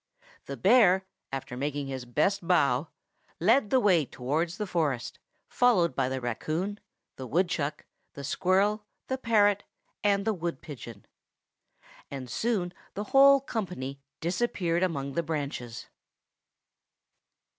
The bear, after making his best bow, led the way towards the forest, followed by the raccoon, the woodchuck, the squirrel, the parrot, and the wood pigeon. And soon the whole company disappeared among the branches.